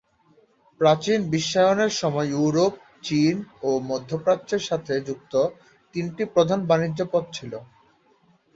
প্রাচীন বিশ্বায়নের সময়ে ইউরোপ, চীন ও মধ্যপ্রাচ্যের সাথে যুক্ত তিনটি প্রধান বাণিজ্য পথ ছিল।